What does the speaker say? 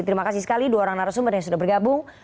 terima kasih sekali dua orang narasumber yang sudah bergabung